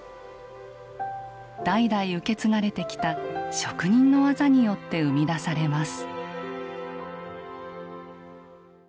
代々受け継がれてきた職人の技によって生み出されます。